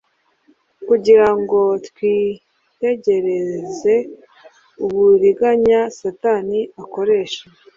kugira ngo twitegereze uburiganya Satani akoresha